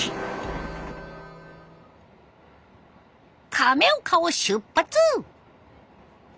亀岡を出発！